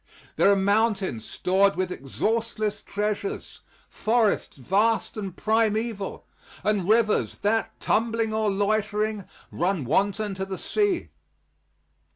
There are mountains stored with exhaustless treasures; forests vast and primeval; and rivers that, tumbling or loitering, run wanton to the sea.